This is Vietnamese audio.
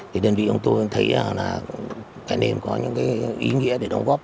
thì đơn vị chúng tôi thấy là cái nêm có những ý nghĩa để đóng góp